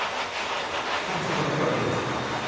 この外掛けはどうですか。